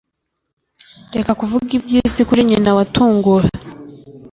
Reka kuvuga ibyisi kuri nyina watunguwe